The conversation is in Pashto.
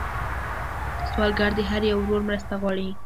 سوالګر د هر یو ورور مرسته غواړي